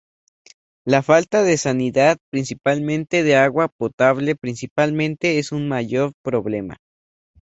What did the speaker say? La falta de sanidad principalmente de agua potable principalmente es un mayor problema.